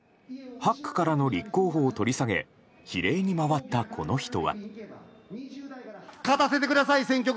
８区からの立候補を取り下げ比例に回ったこの人は。